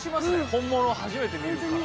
本物を初めて見るから。